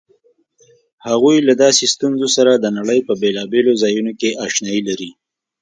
هغوی له داسې ستنو سره د نړۍ په بېلابېلو ځایونو کې آشنايي لري.